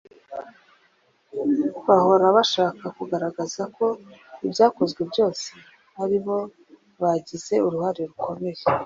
bahora bashaka kugaragaza ko ibyakozwe byose ari bo bagize uruhare rukomeye